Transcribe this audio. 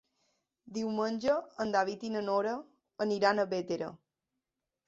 Diumenge en David i na Nora aniran a Bétera.